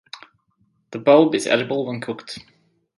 The bulb is edible when cooked.